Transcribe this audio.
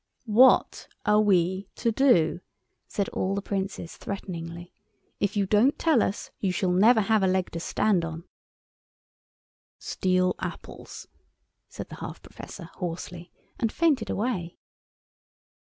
"What are we to do?" said all the Princes, threateningly; "if you don't tell us, you shall never have a leg to stand on." "Steal apples," said the half Professor, hoarsely, and fainted away.